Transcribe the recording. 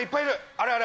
あれあれ。